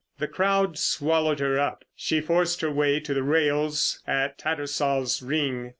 The crowd swallowed her up. She forced her way to the rails at Tattersall's Ring.